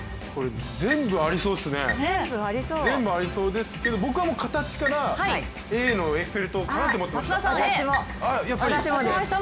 全部ありそうですけど僕はもう形からＡのエッフェル塔かなって思ってました。